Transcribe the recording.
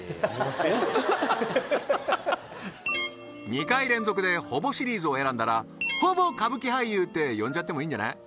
はっ２回連続でほぼシリーズを選んだらほぼ歌舞伎俳優って呼んじゃってもいいんじゃない？